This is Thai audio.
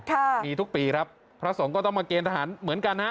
ค่ะมีทุกปีครับพระสงฆ์ก็ต้องมาเกณฑหารเหมือนกันฮะ